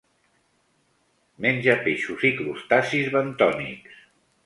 Menja peixos i crustacis bentònics.